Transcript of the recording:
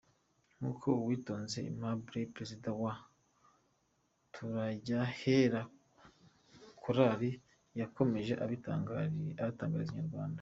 Nk’uko Uwitonze Aimable perezida wa Turajyahera choir, yakomeje abitangariza inyarwanda.